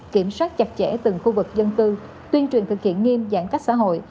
kiểm soát chặt chẽ từng khu vực dân cư tuyên truyền thực hiện nghiêm giãn cách xã hội